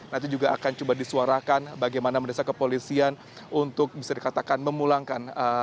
nanti juga akan coba disuarakan bagaimana mendesak kepolisian untuk bisa dikatakan memulangkan